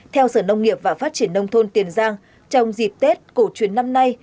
theo sở nông nghiệp và phát triển nông thôn tiền giang trong dịp tết cổ truyền năm nay